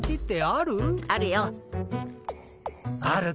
あるよっ。